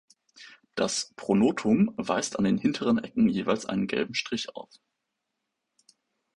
Das Pronotum weist an den hinteren Ecken jeweils einen gelben Strich auf.